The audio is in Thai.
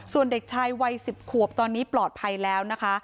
ส่วนเด็กชายวัย๑๐ขวบตอนนี้ปลอดภัยแล้วนะคะ